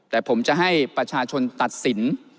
แต่ผมจะให้ประชาชนตัดสิน